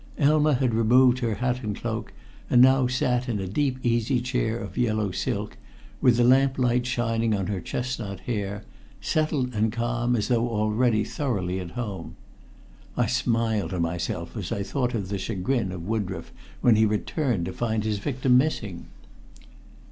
Elma had removed her hat and cloak, and now sat in a deep easy chair of yellow silk, with the lamplight shining on her chestnut hair, settled and calm as though already thoroughly at home. I smiled to myself as I thought of the chagrin of Woodroffe when he returned to find his victim missing.